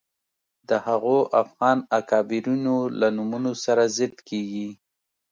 د هغو افغان اکابرینو له نومونو سره ضد کېږي